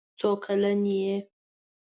څو کلن یې.